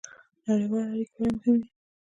نړیوالې اړیکې ولې مهمې دي؟